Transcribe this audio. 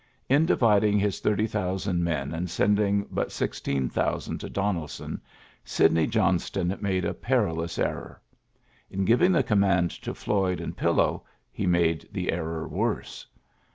Li dividing his thirty thousand men and sending bnt sixteen thousand to Donelson, Sidney Johnston made a perilous error. In giv ing the command to Floyd and Pillow, he made the error worse.